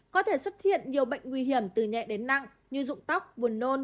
có thể xuất hiện nhiều bệnh nguy hiểm từ nhẹ đến nặng như dụng tóc buồn nôn